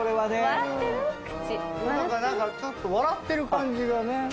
ちょっと笑ってる感じがね。